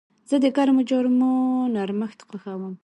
زه د ګرمو جامو نرمښت خوښوم.